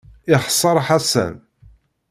Ixser Ḥasan.